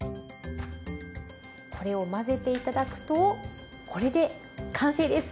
これを混ぜて頂くとこれで完成です。